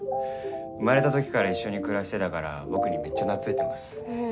生まれた時から一緒に暮らしてたから僕にめっちゃ懐いてます。